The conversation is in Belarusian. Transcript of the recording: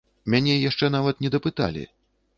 Мяне яшчэ нават не дапыталі.